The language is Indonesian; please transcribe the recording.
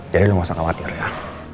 jadi lo nggak usah khawatir ya